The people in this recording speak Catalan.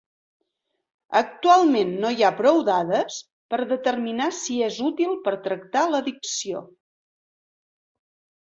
Actualment no hi ha prou dades per determinar si és útil per tractar l'addicció.